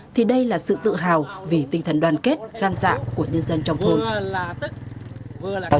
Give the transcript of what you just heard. thì đây là sự tự hào vì tinh thần đoàn kết gan dạ của nhân dân trong thôn